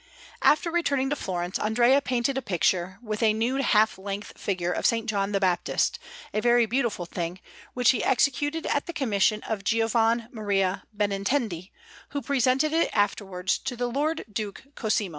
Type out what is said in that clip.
After returning to Florence, Andrea painted a picture with a nude half length figure of S. John the Baptist, a very beautiful thing, which he executed at the commission of Giovan Maria Benintendi, who presented it afterwards to the Lord Duke Cosimo.